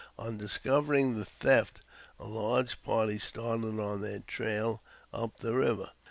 On discovering the theft, a large party started on their trail up the river.